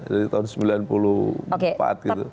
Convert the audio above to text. dari tahun sembilan puluh empat gitu